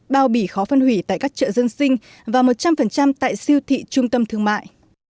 bao bỉ khó phân hủy tại các chợ dân sinh và một trăm linh tại siêu thị trung tâm thương mại